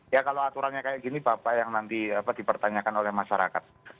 ya kalau aturannya kayak gini bapak yang nanti dipertanyakan oleh masyarakat